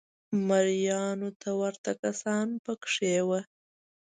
مریانو ته ورته کسان په کې وو